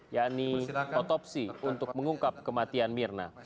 yakni otopsi untuk mengungkap kematian mirna